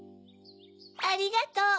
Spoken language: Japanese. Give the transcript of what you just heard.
ありがとう。